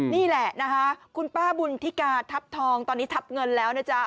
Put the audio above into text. นี่แหละนะคะคุณป้าบุญทิกาทัพทองตอนนี้ทับเงินแล้วนะจ๊ะ